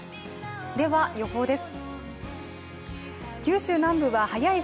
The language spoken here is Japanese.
では予報です。